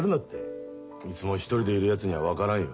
いつも一人でいるやつには分からんよ。